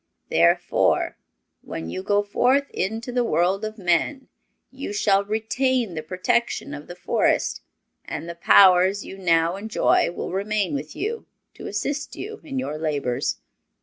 Therefore, when you go forth into the world of men you shall retain the protection of the Forest, and the powers you now enjoy will remain with you to assist you in your labors.